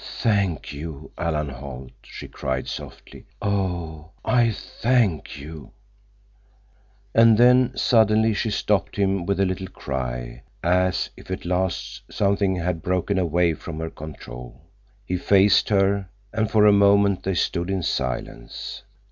"Thank you, Alan Holt," she cried softly, "Oh, I thank you!!" And then, suddenly, she stopped him with a little cry, as if at last something had broken away from her control. He faced her, and for a moment they stood in silence.